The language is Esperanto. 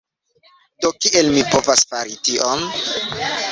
Do kiel mi povas fari tion?